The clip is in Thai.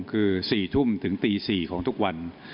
คือ๔ทุ่มถึงตี๔ของทุกวัน